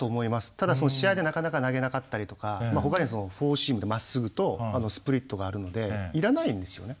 ただ試合でなかなか投げなかったりとかほかにはフォーシームってまっすぐとスプリットがあるのでいらないんですよね。